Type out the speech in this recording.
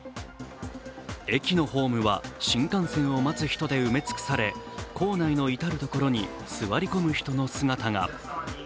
駅のホームは新幹線を待つ人で埋め尽くされ構内の至るところに、座り込む人の姿が。